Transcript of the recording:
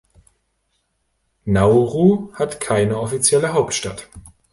Nauru hat keine offizielle Hauptstadt.